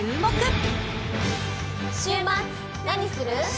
週末何する？